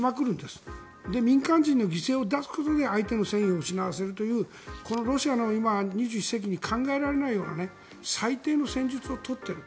そして民間人の犠牲を出すことで相手の戦意を失わせるというロシアの２１世紀に考えられないような最低の戦術を取っている。